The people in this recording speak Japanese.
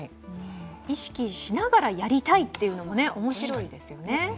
意識しながらやりたいっていうのも面白いですよね。